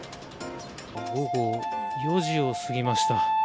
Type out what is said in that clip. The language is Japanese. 午後４時を過ぎました。